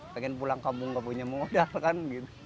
pengen pulang kampung nggak punya modal kan